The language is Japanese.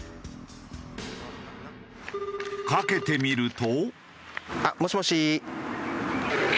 かけてみると。